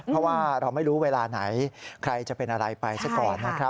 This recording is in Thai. เพราะว่าเราไม่รู้เวลาไหนใครจะเป็นอะไรไปซะก่อนนะครับ